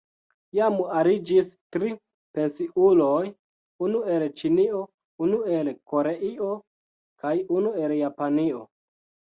Jam aliĝis tri pensiuloj: unu el Ĉinio, unu el Koreio kaj unu el Japanio.